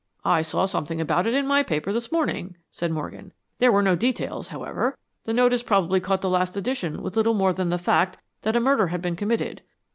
"I saw something about it in my paper this morning," said Morgan. "There were no details, however. The notice probably caught the last edition with little more than the fact that a murder had been committed."